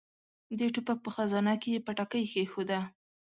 د ټوپک په خزانه کې يې پټاکۍ کېښوده.